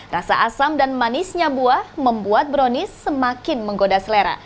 rasa asam dan manisnya buah membuat brownies semakin menggoda selera